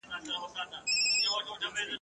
په دې دوه رنګه دنیا کي هرڅه کیږي !.